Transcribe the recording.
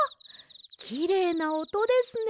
きれいなおとですね。